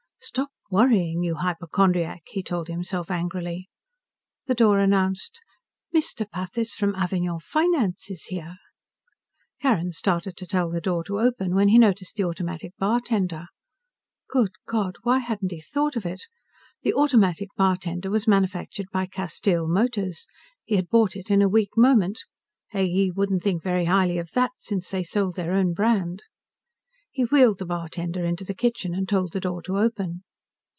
Stop worrying, you hypochondriac, he told himself angrily. The door announced, "Mr. Pathis from Avignon Finance is here." Carrin started to tell the door to open, when he noticed the Automatic Bartender. Good God, why hadn't he thought of it! The Automatic Bartender was manufactured by Castile Motors. He had bought it in a weak moment. A. E. wouldn't think very highly of that, since they sold their own brand. He wheeled the bartender into the kitchen, and told the door to open.